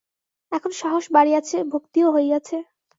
এখন সাহস বাড়িয়াছে, ভক্তিও হইয়াছে।